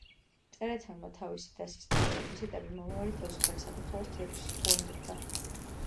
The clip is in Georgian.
წერეთელმა თავისი დასის მთელი რეკვიზიტები „მომავალი თავისუფალი საქართველოს თეატრს“ უანდერძა.